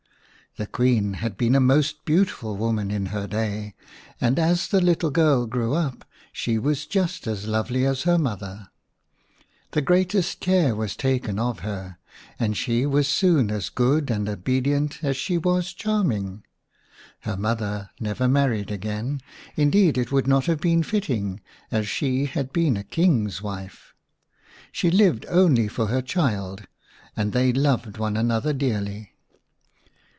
The Queen had been a most beautiful "Oman in her day, and as the little girl grew up she was just as lovely as her mother/ The greatest care was taken of her, and she was soon as good and obedient as she was charming. Her mother never married again ; indeed it would not have been fitting, as she had been a King's wife. She lived only for her child, and they loved one another dearly.